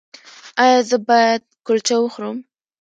ایا زه باید کلچه وخورم؟